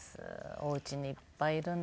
おうちにいっぱいいるんだもん。